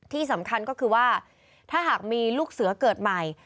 ที่สำคัญก็คือว่าถ้าหากมีลูกเสือเกิดใหม่